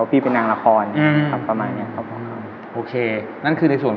พี่เป็นนางละครครับประมาณเนี่ย